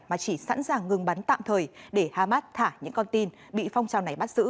mà chỉ sẵn sàng ngừng bắn tạm thời để hamas thả những con tin bị phong trào này bắt giữ